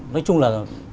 nói chung là